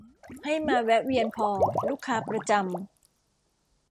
ให้มาแวะเวียนพอ ลูกค้าประจำ